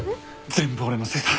全部俺のせいだ！